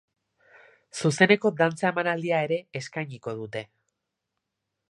Zuzeneko dantza-emanaldia ere eskainiko dute.